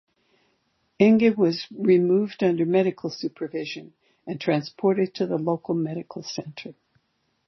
Enge was removed under medical supervision and transported to the local medical centre.